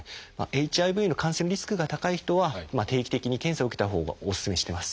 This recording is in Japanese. ＨＩＶの感染リスクが高い人は定期的に検査を受けたほうがお勧めしてます。